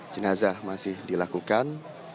jenazah masih dilakukan